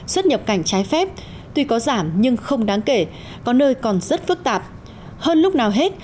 xuất nhập cảnh trái phép tuy có giảm nhưng không đáng kể có nơi còn rất phức tạp hơn lúc nào hết